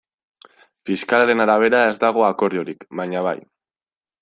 Fiskalaren arabera ez dago akordiorik, baina bai.